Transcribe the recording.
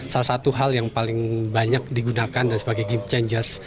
salah satu hal yang paling banyak digunakan dan sebagai game changers